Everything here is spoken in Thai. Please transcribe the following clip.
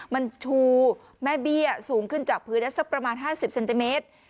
มันชูแม่เบี้ยสูงขึ้นจากพื้นได้สักประมาณ๕๐เซนติเมตร